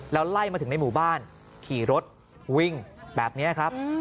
แล้วไล่มาถึงในหมู่บ้านขี่รถวิ่งแบบนี้ครับ